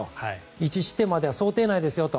１失点までは想定内ですよと。